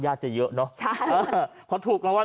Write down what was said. ญาติจะเยอะเนอะ